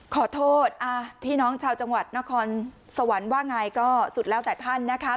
ขอโทษพี่น้องชาวจังหวัดนครสวรรค์ว่าไงก็สุดแล้วแต่ท่านนะคะ